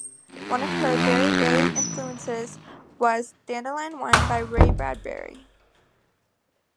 One of her very early influences was "Dandelion Wine" by Ray Bradbury.